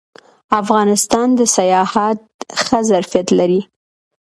افغانستان د سیاحت ښه ظرفیت لري